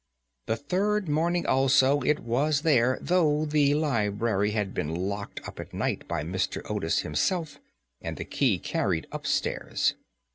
The third morning also it was there, though the library had been locked up at night by Mr. Otis himself, and the key carried up stairs.